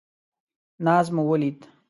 ناز مو ولید.